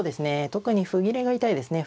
特に歩切れが痛いですね。